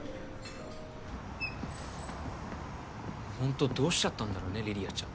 ほんとどうしちゃったんだろうね梨里杏ちゃん。